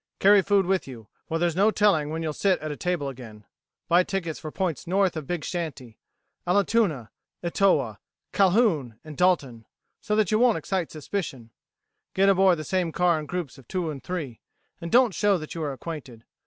Carry food with you, for there's no telling when you'll sit at a table again. Buy tickets for points north of Big Shanty Allatoona, Etowah, Calhoun and Dalton so that you won't excite suspicion. Get aboard the same car in groups of two and three, and don't show that you are acquainted.